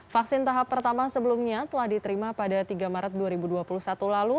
vaksin tahap pertama sebelumnya telah diterima pada tiga maret dua ribu dua puluh satu lalu